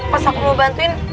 pas aku mau bantuin